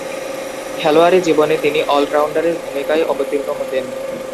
খেলোয়াড়ী জীবনে তিনি অল-রাউন্ডারের ভূমিকায় অবতীর্ণ হতেন।